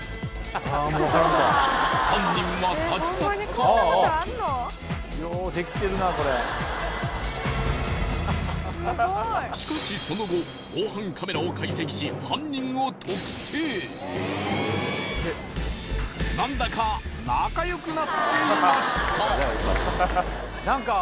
犯人は立ち去ったあとしかしその後防犯カメラを解析し犯人を特定何だか仲良くなっていました